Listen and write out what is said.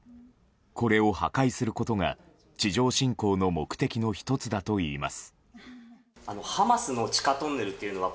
これを破壊することが地上侵攻の目的の１つだといいます。